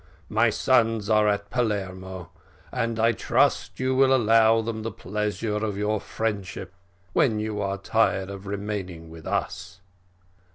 My sons are at Palermo, and I trust you will allow them the pleasure of your friendship when you are tired of remaining with us."